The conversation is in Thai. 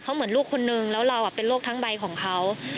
เขาเหมือนลูกคนนึงแล้วเราเป็นโรคทั้งใบของเขา